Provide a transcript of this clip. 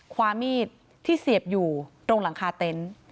ความมีดที่เสียบอยู่ตรงหลังคาเต็นต์